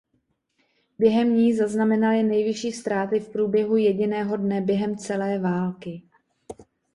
Během ní zaznamenaly nejvyšší ztráty v průběhu jediného dne během celé války.